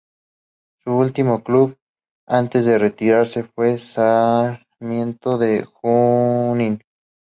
Su último club antes de retirarse fue Sarmiento de Junín.